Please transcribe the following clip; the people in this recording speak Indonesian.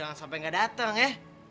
jangan sampai nggak datang ya